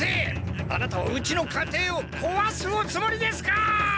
アナタはうちの家庭をこわすおつもりですか！？